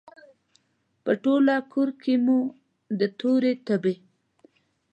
په ټوله کورکې کې مو د تورې تبې،